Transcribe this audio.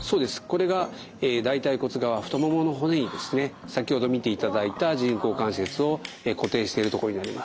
これが大腿骨側太ももの骨にですね先ほど見ていただいた人工関節を固定しているところになります。